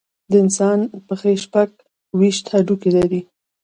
د انسان پښې شپږ ویشت هډوکي لري.